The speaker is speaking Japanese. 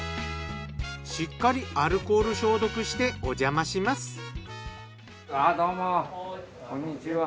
しっかりアルコール消毒しておじゃまします。